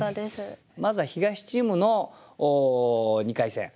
まずは東チームの２回戦。